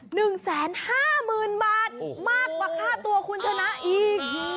๑๕๐๐๐๐๐บาทมากกว่าค่าตัวคุณชนะอีก